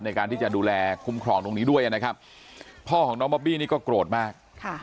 ในการที่จะดูแลคุ้มครองตรงนี้ด้วยนะครับพ่อของน้องบอบบี้นี่ก็โกรธมาก